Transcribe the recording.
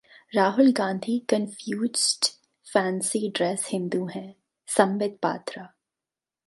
Rahul Gandhi confused fancy dress Hindu हैं: संबित पात्रा